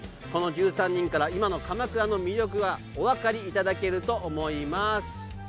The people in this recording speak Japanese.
この１３人から今の鎌倉の魅力がお分かりいただけると思います。